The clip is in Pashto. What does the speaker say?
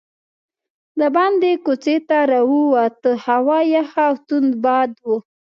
دباندې کوڅې ته راووتو، هوا یخه او توند باد و.